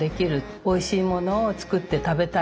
おいしいものを作って食べたいと。